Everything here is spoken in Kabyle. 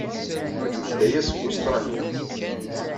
Nuǧew-d aya seg Ustṛalya.